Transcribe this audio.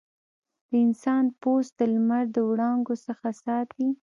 د انسان پوست د لمر د وړانګو څخه ساتي.